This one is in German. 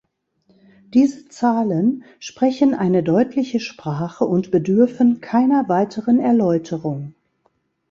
Diese Zahlen sprechen eine deutliche Sprache und bedürfen keiner weiteren Erläuterung.